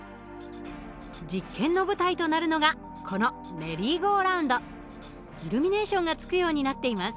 実験の舞台となるのがこのイルミネーションがつくようになっています。